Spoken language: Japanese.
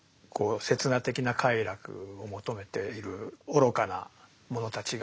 刹那的な快楽を求めている愚かな者たちが住んでると。